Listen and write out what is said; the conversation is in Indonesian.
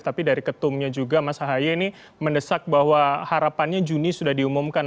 tapi dari ketumnya juga mas ahaye ini mendesak bahwa harapannya juni sudah diumumkan